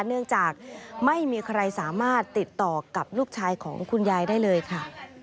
เนื่องจากไม่มีใครสามารถติดต่อกับลูกชายของคุณยายได้เลยค่ะ